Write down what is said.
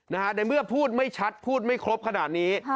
ในเมื่อพูดไม่ชัดพูดไม่ครบขนาดนี้